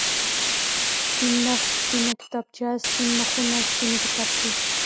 سپين مخ، سپينه کتابچه، سپين مخونه، سپينې کتابچې.